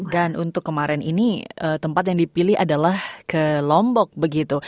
dan untuk kemarin ini tempat yang dipilih adalah ke lombok begitu